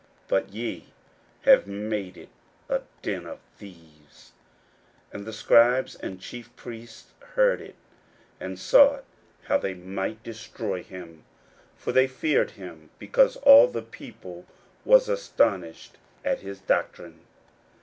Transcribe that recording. but ye have made it a den of thieves. 41:011:018 And the scribes and chief priests heard it, and sought how they might destroy him: for they feared him, because all the people was astonished at his doctrine.